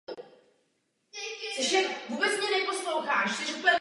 Ve třicátých letech se začal věnovat skládání filmové hudby.